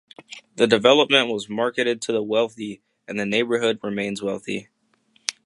The development was marketed to the wealthy, and the neighbourhood remains wealthy.